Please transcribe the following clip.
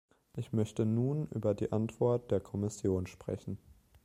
Ich möchte nun über die Antwort der Kommission sprechen.